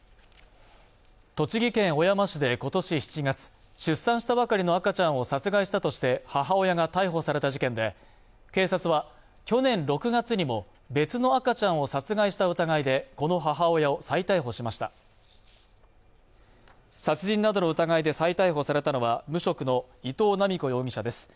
栃木県小山市で今年７月出産したばかりの赤ちゃんを殺害したとして母親が逮捕された事件で警察は去年６月にも別の赤ちゃんを殺害した疑いで娘の母親を再逮捕しました殺人などの疑いで再逮捕されたのは無職の伊藤七美子容疑者です